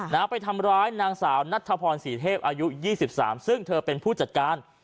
น้าไปทำร้ายนางสาวนัทพรศรีเทพอายุ๒๓ซึ่งเธอเป็นผู้จัดการ